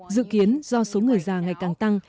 dự kiến do số người già ngày càng tăng